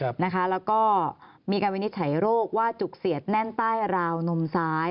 แล้วก็มีการวินิจฉัยโรคว่าจุกเสียดแน่นใต้ราวนมซ้าย